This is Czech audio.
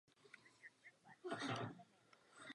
V Srbsku je třetím nejčastějším příjmením.